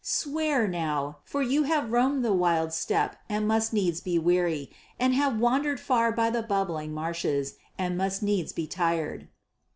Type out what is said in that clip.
Swear now, for you have roamed the wild steppe and must needs be weary, and have wandered far by the bubbling marshes and must needs be tired."